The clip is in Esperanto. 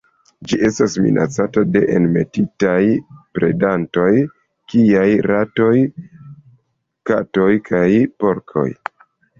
Ĝi estas minacata de enmetitaj predantoj kiaj ratoj, katoj kaj porkoj.